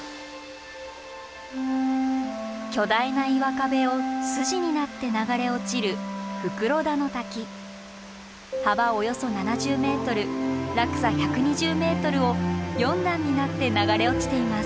巨大な岩壁を筋になって流れ落ちる幅およそ７０ｍ落差１２０ｍを４段になって流れ落ちています。